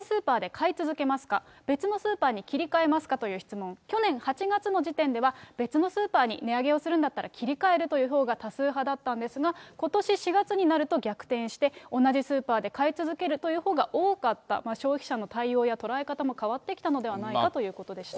東大の教授が行ったアンケート調査ですけれども、いつも行くスーパーが１０％値上げをしたら、同じスーパーで買い続けますか、別のスーパーに切り替えますかという質問、去年８月の時点では、別のスーパーに値上げをするんだったら、切り替えるというほうが多数派だったんですが、ことし４月になると逆転して、同じスーパーで買い続けるという方が多かった、消費者の対応や捉え方も変わってきたのではないかということです。